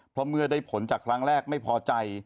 เพราะเมื่อได้ผลจากครั้งแรกไม่พอใจ